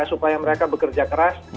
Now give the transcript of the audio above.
supaya mereka bekerja keras